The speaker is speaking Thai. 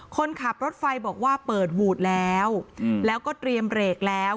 คนขับรถไฟบอกว่าเปิดวูดแล้วแล้วก็เตรียมเบรกแล้ว